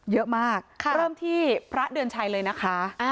เยอะมากเริ่มที่พระเดือนชัยเลยนะคะ